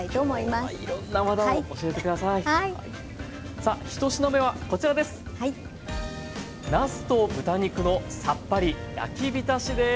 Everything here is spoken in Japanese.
さあ１品目はこちらです。